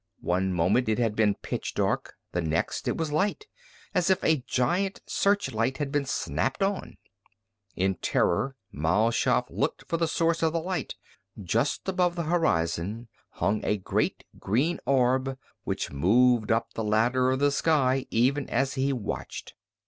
One moment it had been pitch dark, the next it was light, as if a giant search light had been snapped on. In terror, Mal Shaff looked for the source of the light. Just above the horizon hung a great green orb, which moved up the ladder of the sky even as he watched.